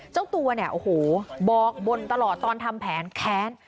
เจ้าตัวบอกบนตลอดตอนทำแผนแค้น